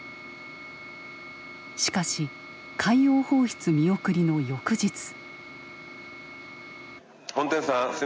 しかし海洋放出見送りの翌日。